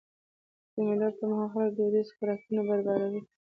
د مېلو پر مهال خلک دودیز خوراکونه برابروي.